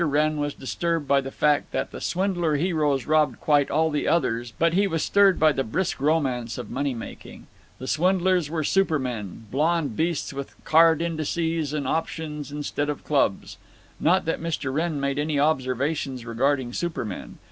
Wrenn was disturbed by the fact that the swindler heroes robbed quite all the others, but he was stirred by the brisk romance of money making. The swindlers were supermen—blonde beasts with card indices and options instead of clubs. Not that Mr. Wrenn made any observations regarding supermen.